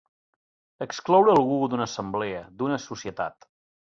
Excloure algú d'una assemblea, d'una societat.